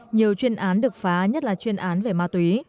nhiều chuyên án được phá nhất là chuyên án về ma túy